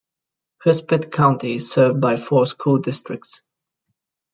Hudspeth County is served by four school districts.